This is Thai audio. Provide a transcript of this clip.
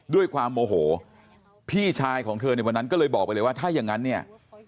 ด้วยความโมโหพี่ชายของเธอในวันนั้นก็เลยบอกไปเลยว่าถ้าอย่างนั้นเนี่ย